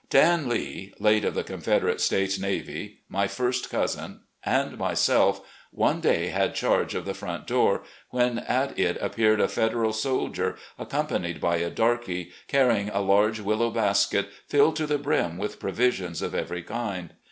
Dan Lee, late of the Confederate States Navy, my first cousin, and myself, one day had charge of the front door, when at it appeared a Federal soldier, accompanied by a darkey carrying a large willow basket filled to the brim with provisions of every kind.